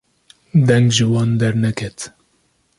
deng ji wan derneket